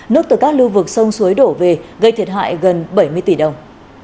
nước từ các lưu vực sông suối đổ về gây thiệt hại gần bảy mươi tỷ đồng